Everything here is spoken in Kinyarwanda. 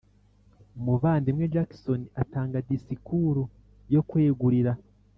Umuvandimwe jackson atanga disikuru yo kwegurira